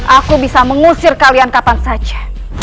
aku bisa mengusir kalian kapan saja